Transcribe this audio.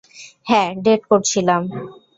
হ্যাঁ ডেট করছিলাম।